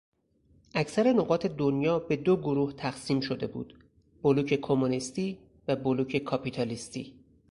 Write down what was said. اکثر نقاط دنیا به دو گروه تقسیم شده بود: بلوک کمونیستی و بلوک کاپیتالیستی